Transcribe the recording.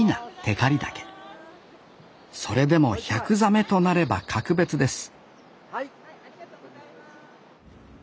それでも１００座目となれば格別です